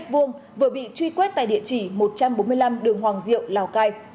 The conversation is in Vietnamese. vừa bị truy quét tại địa chỉ một trăm bốn mươi năm đường hoàng diệu lào cai